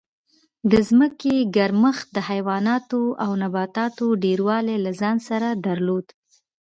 د ځمکې ګرمښت د حیواناتو او نباتاتو ډېروالی له ځان سره درلود